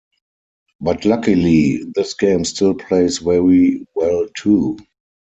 But luckily this game still plays very well too.